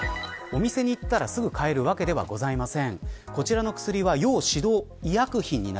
お店に行ってすぐに買えるわけではありません。